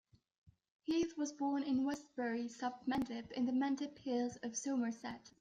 Heath was born in Westbury-sub-Mendip in the Mendip Hills of Somerset.